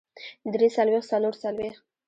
درې څلوېښت څلور څلوېښت